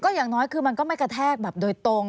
อย่างน้อยคือมันก็ไม่กระแทกแบบโดยตรง